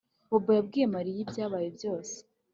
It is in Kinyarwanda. Bobo yabwiye Mariya ibyabaye byose